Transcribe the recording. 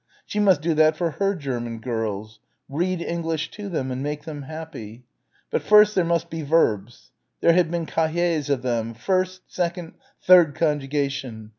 She must do that for her German girls. Read English to them and make them happy.... But first there must be verbs ... there had been cahiers of them ... first, second, third conjugation....